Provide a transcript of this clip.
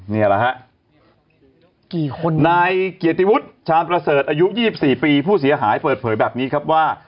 นี่แหละฮะกี่คนนายเกียรติวุฒิชาญประเสริฐอายุ๒๔ปีผู้เสียหายเปิดเผยแบบนี้ครับว่า